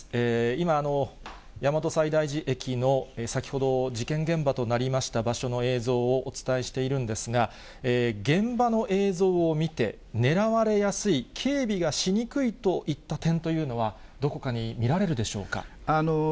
今、大和西大寺駅の、先ほど事件現場となりました場所の映像をお伝えしているんですが、現場の映像を見て、狙われやすい、警備がしにくいといった点はどこかに見られるでしょうか。